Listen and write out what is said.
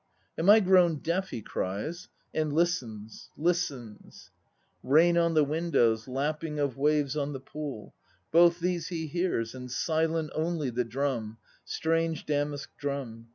"Am I grown deaf?" he cries, and listens, listens: Rain on the windows, lapping of waves on the pool Both these he hears, and silent only The drum, strange damask drum.